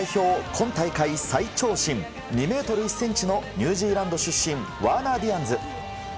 今大会最長身２ｍ１ｃｍのニュージーランド出身ワーナー・ディアンズ。